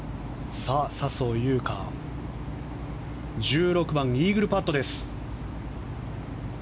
笹生優花、１６番イーグルパットでした。